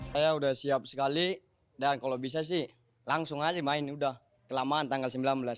saya sudah siap sekali dan kalau bisa sih langsung aja main udah kelamaan tanggal sembilan belas